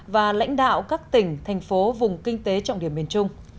và lãnh đạo các tỉnh thành phố vùng kinh tế trọng điểm miền trung